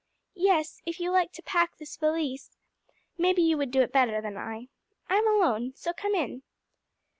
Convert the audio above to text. "Yes, if you like to pack this valise. Maybe you would do it better than I. I'm alone, so come in."